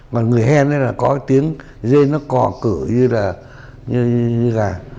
còn người hen ấy là có cái tiếng rên nó cò cửa như là như gà